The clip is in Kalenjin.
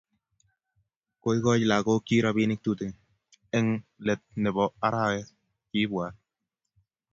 koikoch lagokchi robinik tutugin eng let nebo arawet, kiibwat